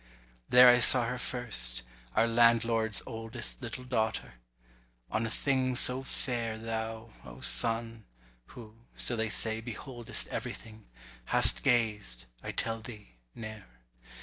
There I saw her first, our landlord's oldest Little daughter. On a thing so fair Thou, O Sun,—who (so they say) beholdest Everything,—hast gazed, I tell thee, ne'er.